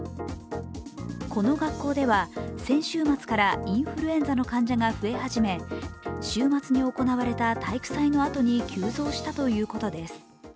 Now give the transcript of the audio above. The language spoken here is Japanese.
この学校では先週末からインフルエンザの患者が増え始め週末に行われた体育祭のあとに急増したというとです。